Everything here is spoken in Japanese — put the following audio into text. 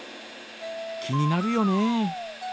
気になるよね。